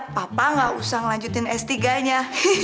papa gak usah ngelanjutin s tiga nya